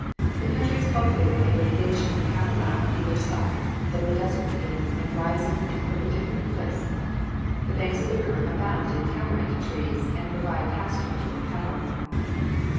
The country is cultivated by irrigation for half a mile on either side; then the desert begins, and rises in perpendicular cliffs. The banks of the river abound in tamarind trees and provide pasturage for cattle."